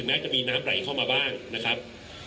คุณผู้ชมไปฟังผู้ว่ารัฐกาลจังหวัดเชียงรายแถลงตอนนี้ค่ะ